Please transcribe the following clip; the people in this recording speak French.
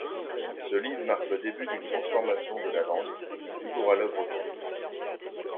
Ce livre marque le début d'une transformation de la langue toujours à l'œuvre aujourd'hui.